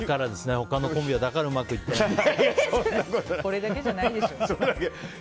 他のコンビはだからうまくいってないんだ。